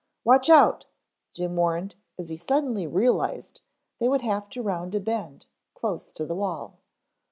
"Watch out," Jim warned as he suddenly realized they would have to round a bend close to the wall.